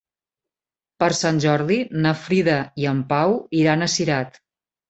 Per Sant Jordi na Frida i en Pau iran a Cirat.